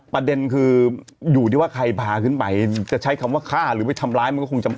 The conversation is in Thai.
ประเด็นคืออยู่ที่ว่าใครพาขึ้นไปจะใช้คำว่าฆ่าหรือไปทำร้ายมันก็คงจะ